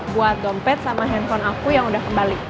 buat dompet sama handphone aku yang udah kembali